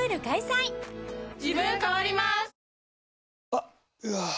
あっ、うわー。